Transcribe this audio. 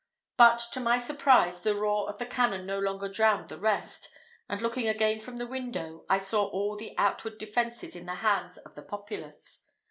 But to my surprise, the roar of the cannon no longer drowned the rest, and looking again from the window, I saw all the outward defences in the hands of the populace.